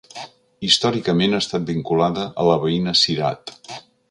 Històricament ha estat vinculada a la veïna Cirat.